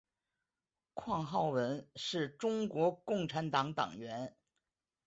况浩文是中国共产党党员。